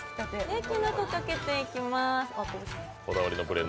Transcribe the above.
きなこかけていきます。